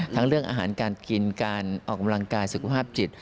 เรื่องอาหารการกินการออกกำลังกายสุขภาพจิต